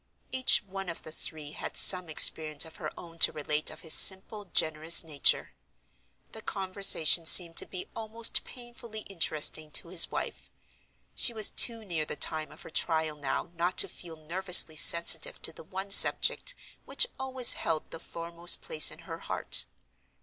Each one of the three had some experience of her own to relate of his simple, generous nature. The conversation seemed to be almost painfully interesting to his wife. She was too near the time of her trial now not to feel nervously sensitive to the one subject which always held the foremost place in her heart.